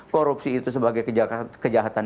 korupsi itu sebagai kejahatan